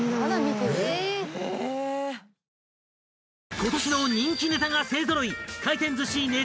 ［今年の人気ネタが勢揃い！］